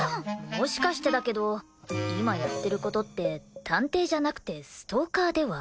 もしかしてだけど今やってる事って探偵じゃなくてストーカーでは？